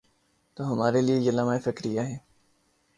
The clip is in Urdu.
تو ہمارے لئے یہ لمحہ فکریہ ہے۔